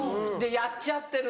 やっちゃってる！